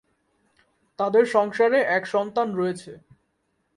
তাদের সংসারে এক সন্তান রয়েছে।